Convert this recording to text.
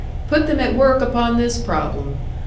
Put them at work upon this problem.